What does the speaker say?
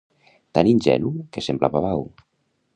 Tan ingenu que sembla babau.